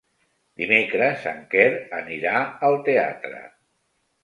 Dimecres en Quer anirà al teatre.